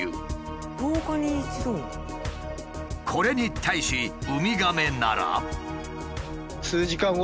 これに対しウミガメなら。